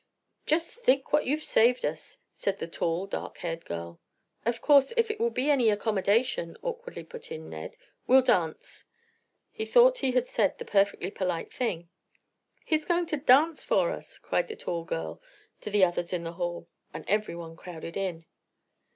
"Just think what you've saved us!" said the tall, dark haired girl. "Of course if it will be any accommodation," awkwardly put in Ned, "we'll dance." He thought he had said the perfectly polite thing. "He's going to dance for us!" cried the tall girl, to the others in the hall, and everyone crowded in.